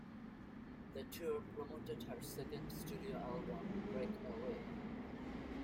The tour promoted her second studio album, "Breakaway".